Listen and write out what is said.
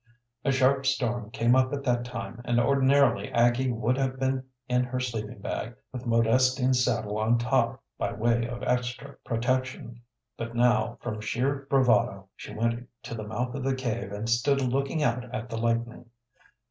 A sharp storm came up at that time, and ordinarily Aggie would have been in her sleeping bag, with Modestine's saddle on top by way of extra protection. But now, from sheer bravado, she went to the mouth of the cave and stood looking out at the lightning.